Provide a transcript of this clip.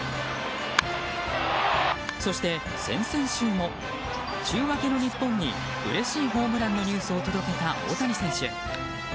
そして先々週も、週明けの日本にうれしいホームランのニュースを届けた大谷選手。